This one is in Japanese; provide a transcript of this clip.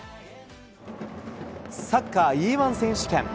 サッカーＥー１選手権。